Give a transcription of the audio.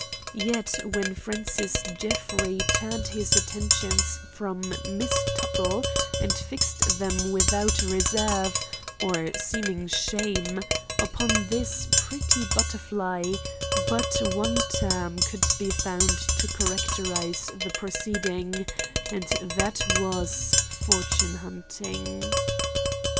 Yet when Francis Jeffrey turned his attentions from Miss Tuttle and fixed them without reserve, or seeming shame, upon this pretty butterfly, but one term could be found to characterize the proceeding, and that was, fortune hunting.